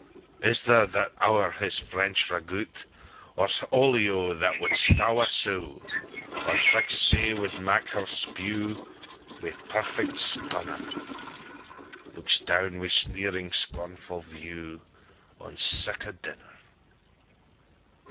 Is there that owre his French ragoutOr olio that wad staw a sow, Or fricassee wad make her spewWi' perfect sconner, Looks down wi' sneering, scornfu' viewOn sic a dinner?